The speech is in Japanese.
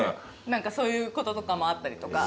何かそういうこととかもあったりとか。